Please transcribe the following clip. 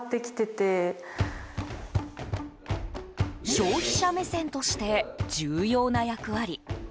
消費者目線として重要な役割。